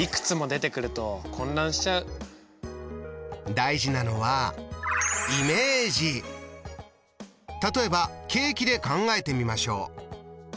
大事なのは例えばケーキで考えてみましょう。